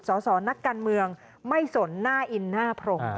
สสนักการเมืองไม่สนหน้าอินหน้าพรม